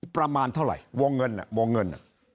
ประมาณเท่าไหร่วงเงินวงเงิน